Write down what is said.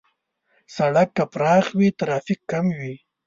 سړک که پراخ وي، ترافیک کم وي.